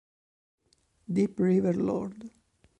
Deep River, Lord.